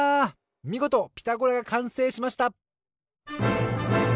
みごと「ピタゴラ」がかんせいしました！